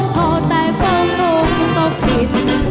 ดมโดมพอแต่เพิ่มโดมกินตกผิด